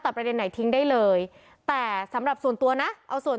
แต่ประเด็นไหนทิ้งได้เลยแต่สำหรับส่วนตัวนะเอาส่วน